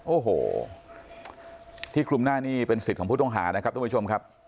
โอ้โหที่คลุมหน้านี่เป็นสิทธิ์ของผู้ต้องหานะครับทุกผู้ชมครับ